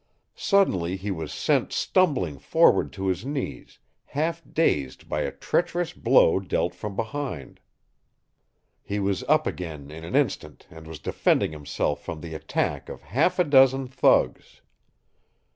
Suddenly he was sent stumbling forward to his knees, half dazed by a treacherous blow dealt from behind. He was up again in an instant and was defending himself from the attack of half a dozen thugs.